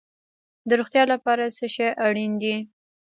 د روغتیا لپاره څه شی اړین دي؟